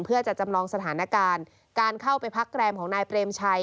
เพื่อจะจำลองสถานการณ์การเข้าไปพักแรมของนายเปรมชัย